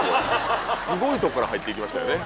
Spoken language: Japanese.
すごいとこから入っていきましたよね。